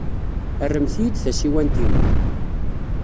Rremt-iyi-d tasiwant-inu.